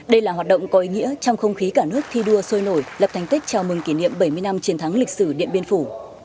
đây là hoạt động có ý nghĩa trong không khí cả nước thi đua sôi nổi lập thành tích chào mừng kỷ niệm bảy mươi năm chiến thắng lịch sử điện biên phủ